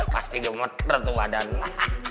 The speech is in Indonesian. pasti gemeter tuh badan lo